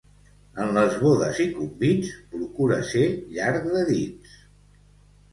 En les bodes i convits procura ser llarg de dits.